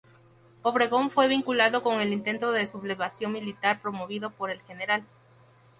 Obregón fue vinculado con el intento de sublevación militar promovido por el Gral.